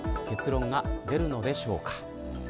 結論が出るのでしょうか。